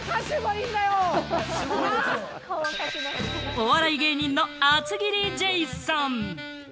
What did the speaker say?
お笑い芸人の厚切りジェイソン。